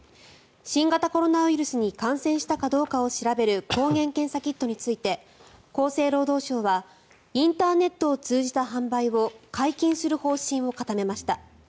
新型コロナウイルスに感染したかどうかを調べる抗原検査キットについて厚生労働省はインターネットを通じた販売を解禁する方針を固めました。